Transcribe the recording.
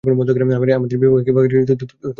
আমাদের বিভাগ কিভাবে কাজ করে, তোমার গর্ব হবে।